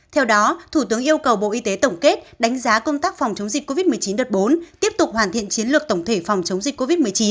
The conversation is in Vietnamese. theo đó thủ tướng yêu cầu bộ y tế tổng kết đánh giá công tác phòng chống dịch covid một mươi chín đợt bốn tiếp tục hoàn thiện chiến lược tổng thể phòng chống dịch covid một mươi chín